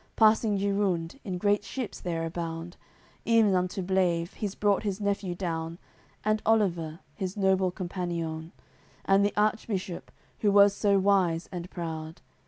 Passing Girunde in great ships, there abound, Ev'n unto Blaive he's brought his nephew down And Oliver, his noble companioun, And the Archbishop, who was so wise and proud.